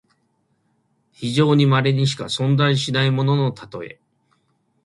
非常にまれにしか存在しないもののたとえ。